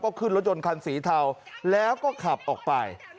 ก็ขึ้นรถยนต์คันสีเทาแล้วก็ขับออกไป